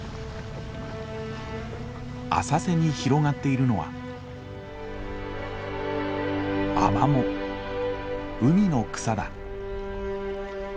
浅瀬に広がっているのは海の草だ。